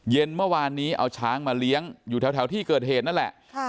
เย็นเมื่อวานนี้เอาช้างมาเลี้ยงอยู่แถวที่เกิดเหตุนั่นแหละ